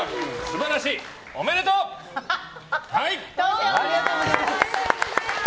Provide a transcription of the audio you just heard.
おめでとうございます！